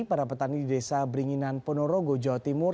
para petani di desa beringinan ponorogo jawa timur